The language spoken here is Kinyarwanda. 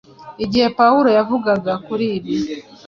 Igihe Pawulo yavugaga kuri ibi